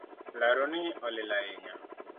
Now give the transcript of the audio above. Laroni olil ahinya